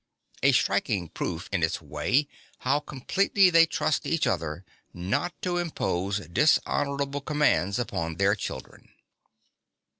A striking proof, in its way, how completely they trust each other not to impose dishonourable commands upon their children.